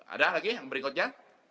ada lagi yang berikutnya